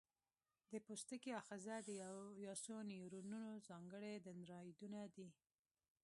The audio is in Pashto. د پوستکي آخذې د یو یا څو نیورونونو ځانګړي دندرایدونه دي.